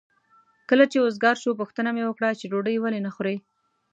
کله چې وزګار شو پوښتنه مې وکړه چې ډوډۍ ولې نه خورې؟